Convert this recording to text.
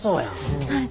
はい。